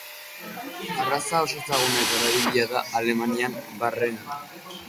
Arraza oso ezaguna eta erabilia da Alemanian barrena.